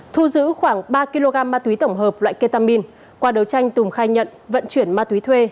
thu giữ khoảng ba kg ma túy tổng hợp loại ketamin qua đấu tranh tùng khai nhận vận chuyển ma túy thuê